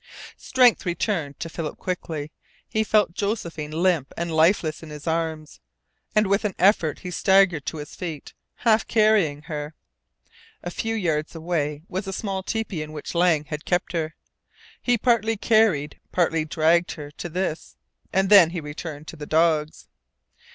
Strength returned to Philip quickly. He felt Josephine limp and lifeless in his arms, and with an effort he staggered to his feet, half carrying her. A few yards away was a small tepee in which Lang had kept her. He partly carried, partly dragged her to this, and then he returned to the dogs.